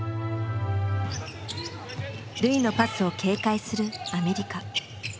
瑠唯のパスを警戒するアメリカ。